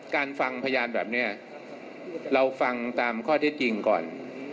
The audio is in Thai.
ฟังพยานแบบนี้เราฟังตามข้อที่จริงก่อน